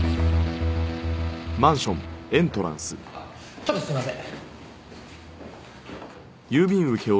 ちょっとすいません。